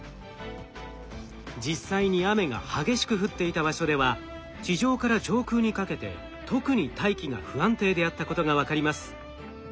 実際に雨が激しく降っていた場所では地上から上空にかけて特に大気が不安定であったことが分かります。